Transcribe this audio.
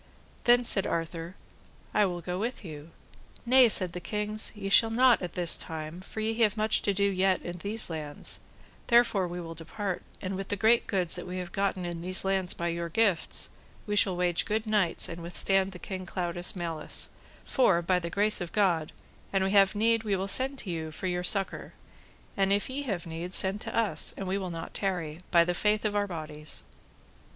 Then said Arthur, I will go with you. Nay, said the kings, ye shall not at this time, for ye have much to do yet in these lands, therefore we will depart, and with the great goods that we have gotten in these lands by your gifts, we shall wage good knights and withstand the King Claudas' malice, for by the grace of God, an we have need we will send to you for your succour; and if ye have need, send for us, and we will not tarry, by the faith of our bodies.